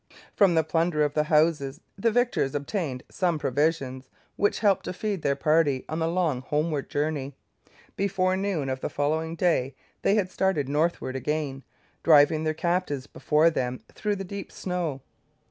From the plunder of the houses the victors obtained some provisions which helped to feed their party on the long homeward journey. Before noon of the following day they had started northward again, driving their captives before them through the deep snow.